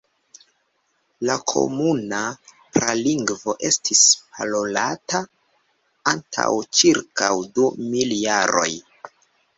La komuna pralingvo estis parolata antaŭ ĉirkaŭ du mil jaroj.